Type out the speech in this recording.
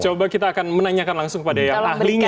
coba kita akan menanyakan langsung pada yang ahlinya